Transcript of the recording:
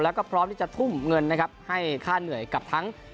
แล้วก็พร้อมที่จะทุ่มเงินนะครับให้ค่าเหนื่อยกับทั้ง